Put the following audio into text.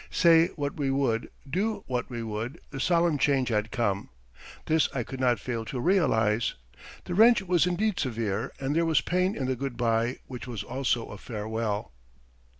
Say what we would, do what we would, the solemn change had come. This I could not fail to realize. The wrench was indeed severe and there was pain in the good bye which was also a farewell.